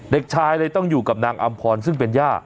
เด็กชายเลยต้องอยู่กับนางอำพรซึ่งเป็นย่า